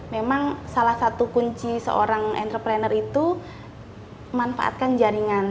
memang salah satu kunci seorang entrepreneur itu manfaatkan jaringan